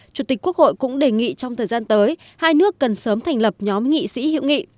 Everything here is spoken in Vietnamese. chủ tịch quốc hội cũng đề nghị trong thời gian tới hai nước cần sớm thành lập nhóm nghị sĩ hữu nghị